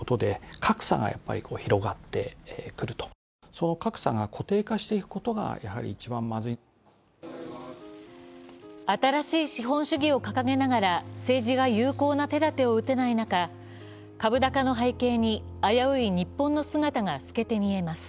この状況をかつてのバブルと比較して、専門家は新しい資本主義を掲げながら政治が有効な手立てを打てない中、株高の背景に危うい日本の姿が透けて見えます。